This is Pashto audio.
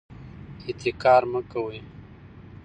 احتکار مه کوئ.